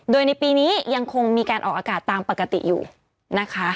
โดยในปีนี้ยังคงมีการออกอากาศตามปกติอยู่นะคะ